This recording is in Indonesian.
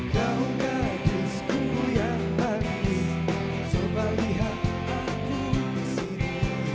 kau gadisku yang cantik coba lihat aku disini